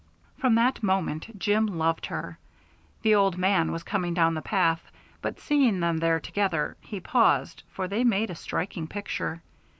From that moment Jim loved her. The old man was coming down the path, but seeing them there together, he paused, for they made a striking picture.